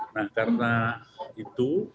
nah karena itu